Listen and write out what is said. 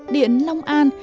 điện long an